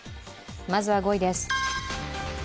まずは５位です。